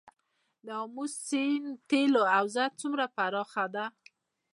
د امو سیند تیلو حوزه څومره پراخه ده؟